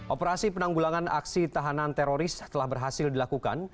operasi penanggulangan aksi tahanan teroris telah berhasil dilakukan